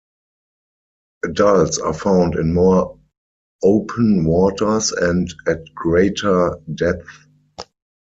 Adults are found in more open waters and at greater depth.